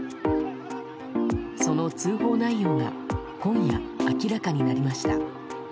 その通報内容が今夜、明らかになりました。